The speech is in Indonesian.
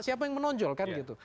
siapa yang menonjol kan gitu